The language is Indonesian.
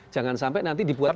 jangan sampai nanti dibuat